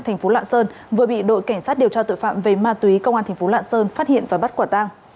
thành phố lạng sơn vừa bị đội cảnh sát điều tra tội phạm về ma túy công an thành phố lạng sơn phát hiện và bắt quả tang